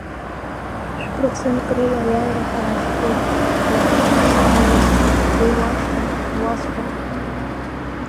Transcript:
Шә-процентк рыла аиааира ҳара иаҳтәуп, иахьынтәсаҳаз уи уашьҭан иуасҳәап!